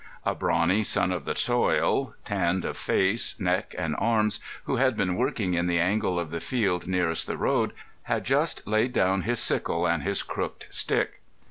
A brawny son of the soil, tanned of face, neck, and arms, who had been working in the angle of the field nearest the road, had just laid down his sickle and his crooked stick.